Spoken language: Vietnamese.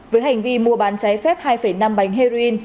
với hành vi mua bán trái phép hai năm bánh heroin